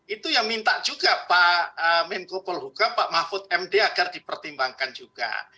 itu yang minta juga pak menko polhukam pak mahfud md agar dipertimbangkan juga